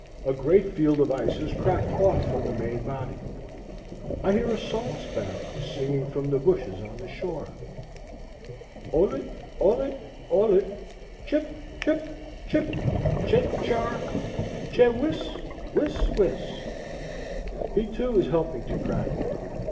A great field of ice has cracked off from the main body. I hear a song sparrow singing from the bushes on the shore,—olit, olit, olit,—chip, chip, chip, che char,—che wiss, wiss, wiss. He too is helping to crack it.